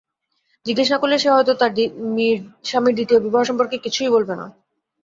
জিজ্ঞেস না করলে সে হয়তো তার মাির দ্বিতীয় বিবাহ সম্পর্কে কিছুই বলবে না।